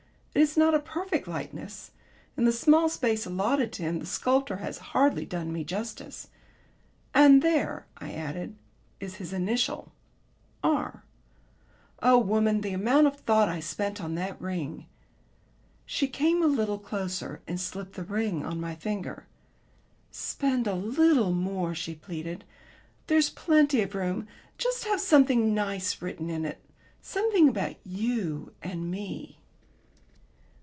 It is not a perfect likeness; in the small space allotted to him the sculptor has hardly done me justice. And there," I added, "is his initial 'r.' Oh, woman, the amount of thought I spent on that ring!" She came a little closer and slipped the ring on my finger. "Spend a little more," she pleaded. "There's plenty of room. Just have something nice written in it something about you and me."